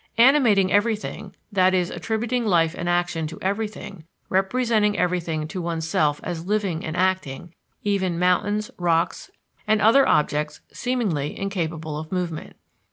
Animating everything, that is attributing life and action to everything, representing everything to one's self as living and acting even mountains, rocks, and other objects (seemingly) incapable of movement.